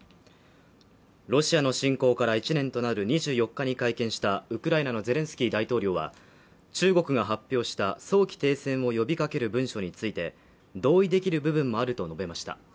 ロシアの侵攻から１年となる２４日に会見したウクライナのゼレンスキー大統領は、中国が発表した早期停戦を呼び掛ける文書について同意できる部分もあると述べました。